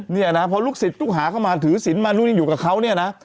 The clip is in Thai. เนี่ยนะพอลูกศิษย์ลูกหาเข้ามาถือศิลปมานู่นยังอยู่กับเขาเนี่ยนะ